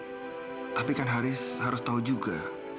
tapi kan haris harus tahu juga